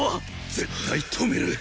絶対止める！